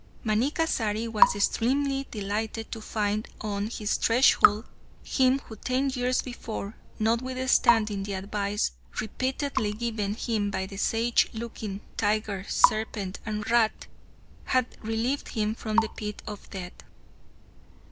Manikkasari was extremely delighted to find on his threshold him who ten years before, notwithstanding the advice repeatedly given him by the sage looking tiger, serpent, and rat, had relieved him from the pit of death.